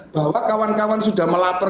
bahwa kawan kawan sudah melapor